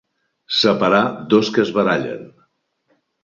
Separar dos que es barallen.